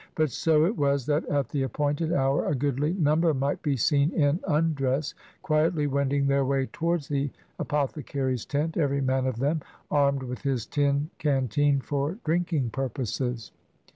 But so it was that at the appointed hour a goodly number might be seen in undress quietly wending their way towards the apothe cary's tent, every man of them armed with his tin can teen for drinking purposes.